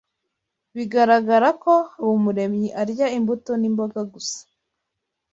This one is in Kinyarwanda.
Bigaragara ko Habumuremyi arya imbuto n'imboga gusa